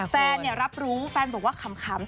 แฟนเนี่ยรับรู้แฟนบอกว่าขำ